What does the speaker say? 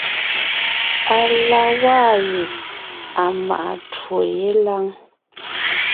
À la waa ye à maʼa twó yé lâŋ.